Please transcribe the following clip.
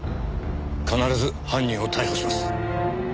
必ず犯人を逮捕します。